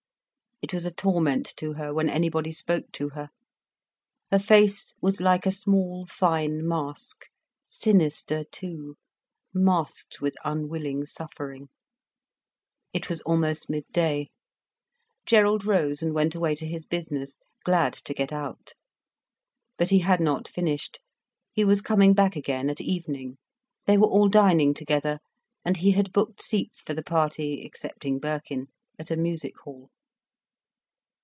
It was a torment to her when anybody spoke to her. Her face was like a small, fine mask, sinister too, masked with unwilling suffering. It was almost midday. Gerald rose and went away to his business, glad to get out. But he had not finished. He was coming back again at evening, they were all dining together, and he had booked seats for the party, excepting Birkin, at a music hall.